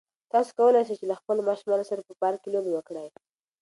تاسو کولای شئ چې له خپلو ماشومانو سره په پارک کې لوبې وکړئ.